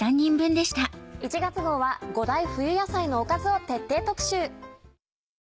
１月号は５大冬野菜のおかずを徹底特集。